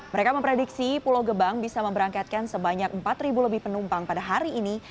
mereka memprediksi pulau gebang bisa memberangkatkan sebanyak empat lebih penumpang pada hari ini